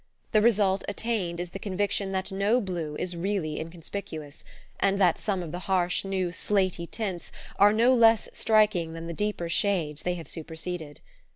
The result attained is the conviction that no blue is really inconspicuous, and that some of the harsh new slaty tints are no less striking than the deeper shades they have superseded.